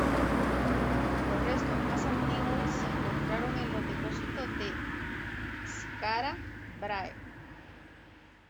Los restos más antiguos se encontraron en los depósitos de Skara Brae.